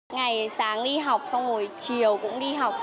ngày sáng đi học xong ngồi chiều cũng đi học